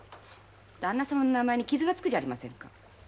だんな様の名前に傷がつくじゃありませんか。